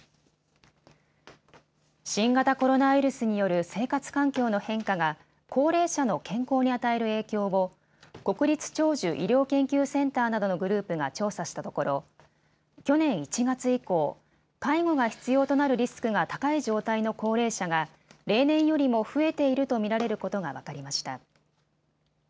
新型コロナウイルスによる生活環境の変化が高齢者の健康に与える影響を国立長寿医療研究センターなどのグループが調査したところ、去年１月以降、介護が必要となるリスクが高い状態の高齢者が例年よりも増えていると見られることが分かりました。